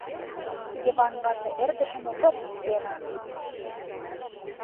Йыван вате эрдыжым роп пера.